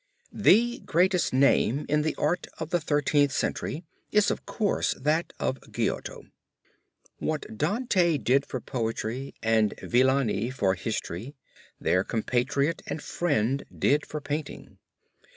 The greatest name in the art of the Thirteenth Century is of course that of Giotto. What Dante did for poetry and Villani for history, their compatriot and friend did for painting.